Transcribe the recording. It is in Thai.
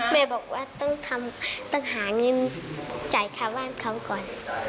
แม่บอกว่าต้องหาเงินจ่ายค่าบ้านเขาก่อน